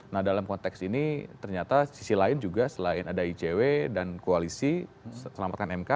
nah dalam konteks ini ternyata sisi lain juga selain ada icw dan koalisi selamatkan mk